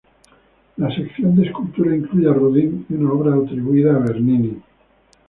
La sección de escultura incluye a Rodin y una obra atribuida a Bernini.